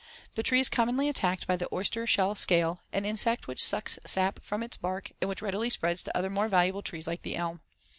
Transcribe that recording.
The tree is commonly attacked by the oyster shell scale, an insect which sucks the sap from its bark and which readily spreads to other more valuable trees like the elm.